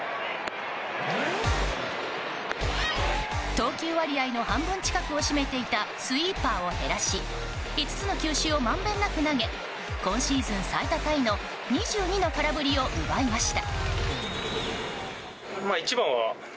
投球割合の半分近くを占めていたスイーパーを減らし５つの球種をまんべんなく投げ今シーズン最多タイの２２の空振りを奪いました。